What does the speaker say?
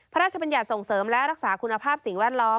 พระราชบัญญัติส่งเสริมและรักษาคุณภาพสิ่งแวดล้อม